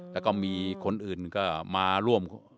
แล้วก็มีคนอื่นก็มาร่วม